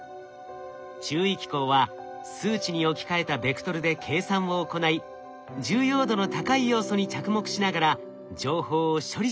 注意機構は数値に置き換えたベクトルで計算を行い重要度の高い要素に着目しながら情報を処理する仕組み。